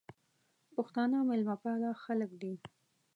پښتانه مېلمه پاله خلګ دي.